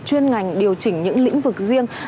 chuyên ngành điều chỉnh những lĩnh vực riêng